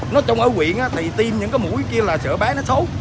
nói chung ở huyện thì tiêm những cái mũi kia là sợ bé nó xấu